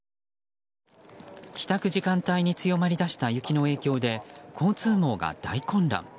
帰宅時間帯に強まりだした雪の影響で交通網が大混乱。